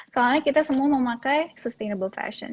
soalnya kita semua mau pakai sustainable fashion